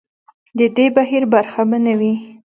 د دې بهیر برخه به وي.